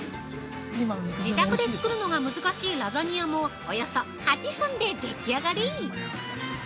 自宅で作るのが難しいラザニアも、およそ、８分で、でき上がり。